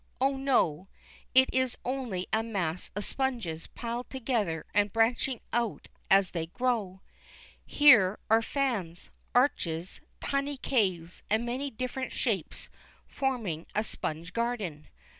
Oh, no, it is only a mass of sponges piled together and branching out as they grow. Here are fans, arches, tiny caves, and many different shapes forming a sponge garden.